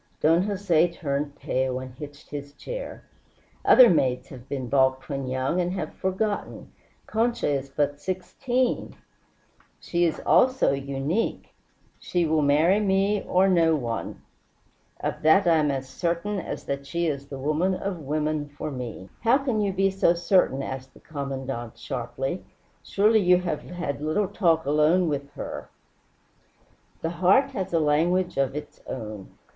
Don Jose turned pale and hitched his chair. "Other maids have been balked when young, and have forgotten. Concha is but sixteen " "She is also unique. She will marry me or no one. Of that I am as certain as that she is the woman of women for me." "How can you be so certain?" asked the Commandante sharply. "Surely you have had little talk alone with her?" "The heart has a language of its own.